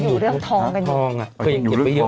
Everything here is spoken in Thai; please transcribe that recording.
ยังอยู่เรืองทองกัน